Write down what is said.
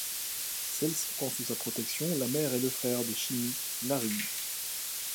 Celle-ci prend sous sa protection la mère et le frère de Chimmie, Larry.